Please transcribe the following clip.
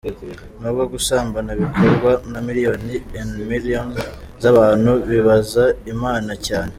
Nubwo gusambana bikorwa na millions and millions z’abantu, bibabaza imana cyane.